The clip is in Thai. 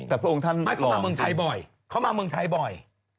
เขามาเมืองไทยบ่อยเขามาเมืองไทยบ่อย